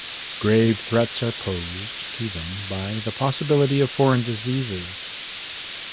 Grave threats are posed to them by the possibility of foreign diseases.